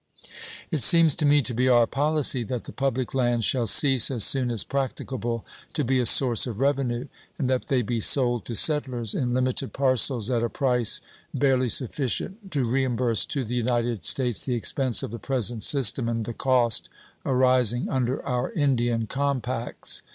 It seems to me to be our policy that the public lands shall cease as soon as practicable to be a source of revenue, and that they be sold to settlers in limited parcels at a price barely sufficient to reimburse to the United States the expense of the present system and the cost arising under our Indian compacts.